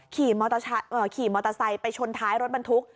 ขี่มอเตอร์ไซค์ไปชนท้ายรถบรรทุก